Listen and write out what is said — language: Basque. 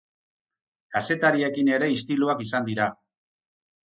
Kazetariekin ere istiluak izan dira.